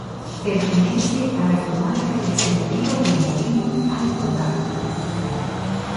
Pertenece a la comarca del Señorío de Molina-Alto Tajo.